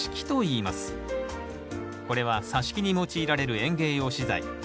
これはさし木に用いられる園芸用資材。